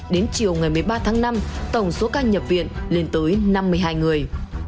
đến chiều ngày một mươi ba tháng năm tổng số ca nhập viện lên tới năm mươi hai người